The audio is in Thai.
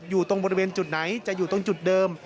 อยู่ตรงบริเวณจุดไหนจะอยู่ตรงจุดเดิม